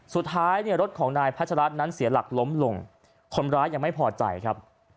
สุดท้ายเนี่ยรถของนายพัชรัฐนั้นเสียหลักล้มลงคนร้ายยังไม่พอใจครับ